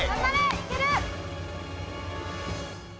いける！